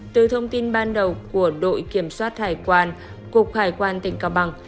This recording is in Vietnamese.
từ thông tin ban đầu của đội kiểm soát hải quan cục hải quan tỉnh cao bằng